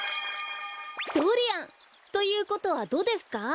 ドリアン！ということはドですか？